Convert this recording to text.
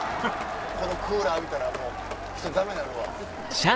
このクーラー見たらもう人ダメなるわ。